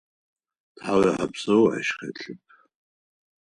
Тхьауегъэпсэу ащ хэлъэп.